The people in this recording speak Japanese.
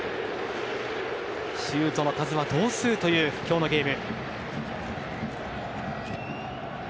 シュートの数は同数という今日のゲーム。